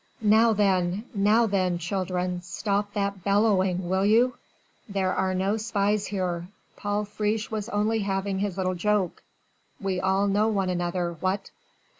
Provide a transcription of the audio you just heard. "Now then! Now then, children, stop that bellowing, will you? There are no spies here. Paul Friche was only having his little joke! We all know one another, what?"